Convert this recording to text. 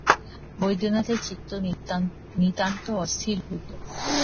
বৈদ্যনাথের চিত্ত নিতান্ত অস্থির হইল।